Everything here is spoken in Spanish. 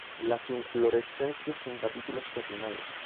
Las inflorescencias en capítulos terminales.